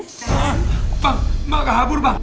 hah bang emak gak kabur bang